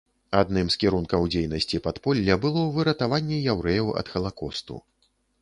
Адным з кірункаў дзейнасці падполля было выратаванне яўрэяў ад халакосту.